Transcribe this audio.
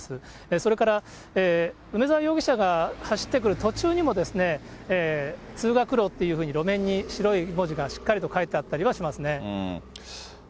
それから梅沢容疑者が走ってくる途中にも、通学路っていうふうに、路面に白い文字がしっかりと書いてあったりはしますね。